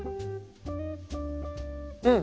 うん！